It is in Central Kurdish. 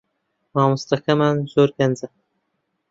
مامۆستاکەمان زۆر گەنجە